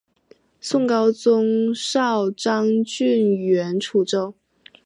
宋高宗诏张俊援楚州。